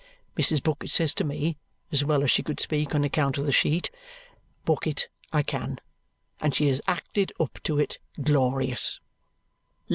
Mrs. Bucket says to me, as well as she could speak on account of the sheet, 'Bucket, I can!' And she has acted up to it glorious!"